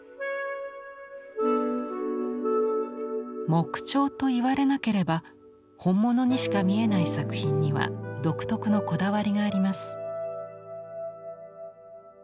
木彫と言われなければ本物にしか見えない作品には独特のこだわりがあります。